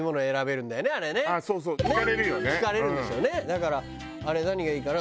だからあれ何がいいかな？